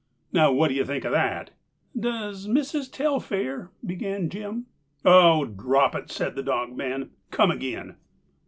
Now what do you think of that?" "Does Missis Telfair—" began Jim. "Oh, drop it," said the dogman. "Come again!"